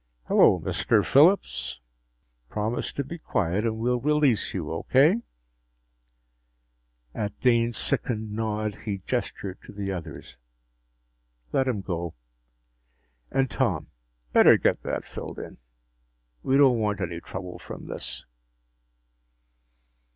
"Hello, Mr. Phillips. Promise to be quiet and we'll release you. Okay?" At Dane's sickened nod, he gestured to the others. "Let him go. And, Tom, better get that filled in. We don't want any trouble from this."